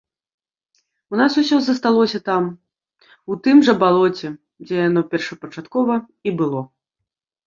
У нас усё засталося там, у тым жа балоце, дзе яно першапачаткова і было.